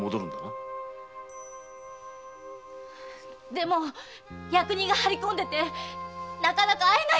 でも役人が張り込んでてなかなか会えないんだよ。